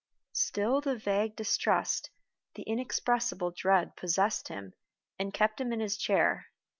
Still the vague distrust, the inexpressible dread possessed him, and kept him in his chair.